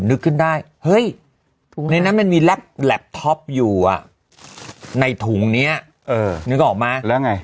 นึกขึ้นได้เฮ้ยถุงในนั้นมันมีแล็บท็อปอยู่อ่ะในถุงนี้นึกออกไหมแล้วไง